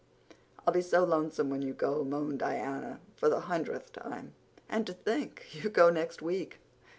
"I'll be so lonesome when you go," moaned Diana for the hundredth time. "And to think you go next week!"